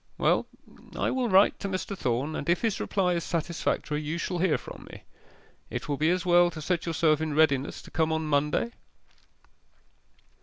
Well, I will write to Mr. Thorn, and if his reply is satisfactory, you shall hear from me. It will be as well to set yourself in readiness to come on Monday.